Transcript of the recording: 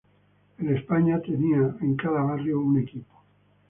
El España tenía en cada barrio un equipo.